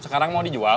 sekarang mau dijual